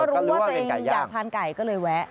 รู้ว่าตัวเองอยากทานไก่ก็เลยแวะ